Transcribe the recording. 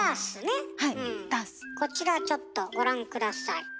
こちらちょっとご覧下さい。